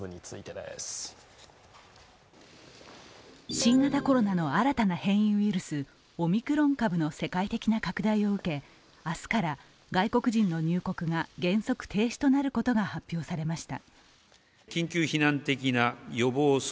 新型コロナの新たな変異ウイルスオミクロン株の世界的な拡大を受け明日から、外国人の入国が原則停止となることが発表されました。